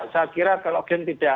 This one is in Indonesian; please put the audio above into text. saya kira kalau gen tidak